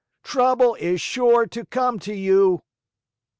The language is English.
Trouble is sure to come to you!"